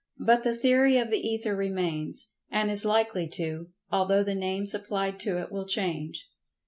But the theory of the Ether remains—and is likely to—although the names applied to it will change.